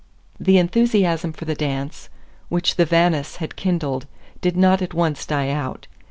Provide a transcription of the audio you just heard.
The enthusiasm for the dance, which the Vannis had kindled, did not at once die out.